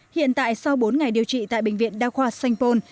hiện tại sau bốn ngày điều trị tại bệnh viện đa khoa sanh pôn